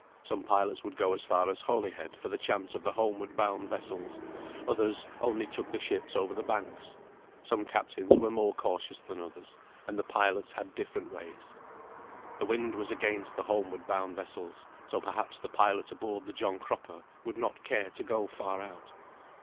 Some pilots would go as far as Holyhead for the chance of the homeward bound vessels; others only took the ships over the Banks. Some captains were more cautious than others, and the pilots had different ways. The wind was against the homeward bound vessels, so perhaps the pilot aboard the John Cropper would not care to go far out.